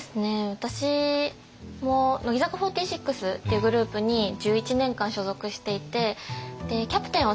私も乃木坂４６っていうグループに１１年間所属していてキャプテンを３年半務めて。